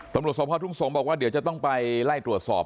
สมภาพทุ่งสงฆ์บอกว่าเดี๋ยวจะต้องไปไล่ตรวจสอบ